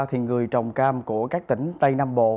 thì người trồng cam của các tỉnh tây nam bộ